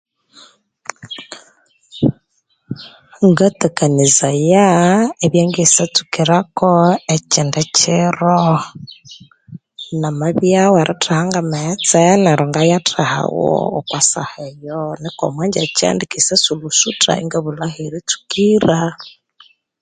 Ngatakanizaya ebyangesyatsukirako ekyindi kyiro namabya we ritheha nga maghetse nero ngayathehagho oko saha eyo niku omwangyakya indikisyasurusutha ingabulha eheritsukira